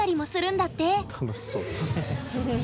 楽しそう。